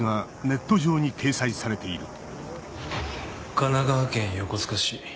神奈川県横須賀市。